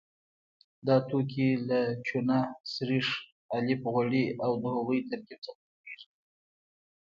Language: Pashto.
دا توکي له چونه، سريښ، الف غوړي او د هغوی ترکیب څخه جوړیږي.